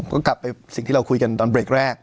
ก็กลับไปสิ่งที่เราคุยกันตอนเบรกแรก